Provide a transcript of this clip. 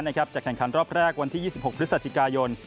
จะแข่งขันรอบแรกวันที่๒๖พฤศจิกายน